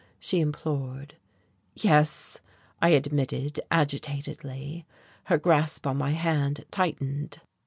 she implored. "Yes," I admitted agitatedly. Her grasp on my hand tightened.